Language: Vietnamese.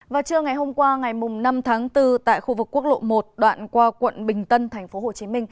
vào trưa ngày hôm qua ngày năm tháng bốn tại khu vực quốc lộ một đoạn qua quận bình tân tp hcm